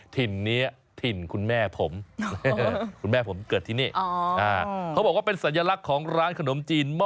ถิ่นนี้ถิ่นคุณแม่ผม